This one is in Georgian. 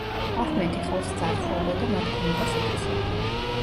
აჰმედი ხალხს ძარცვავდა და მათ ქონებას ითვისებდა.